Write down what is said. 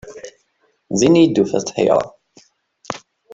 Din iyi-d tufiḍ tḥeyṛeɣ.